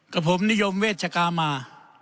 กับผมนิยมเวชกามา